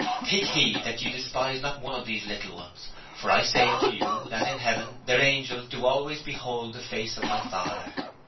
'Take heed that ye despise not one of these little ones, for I say unto you that in heaven their angels do always behold the face of My Father.'